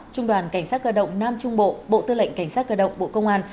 trung đoàn cảnh sát cơ động nam trung bộ bộ tư lệnh cảnh sát cơ động bộ công an